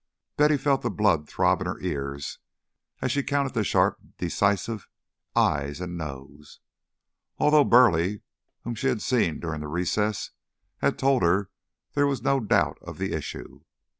Betty felt the blood throb in her ears as she counted the sharp decisive "ayes" and "nos," although Burleigh, whom she had seen during the recess, had told her there was no doubt of the issue.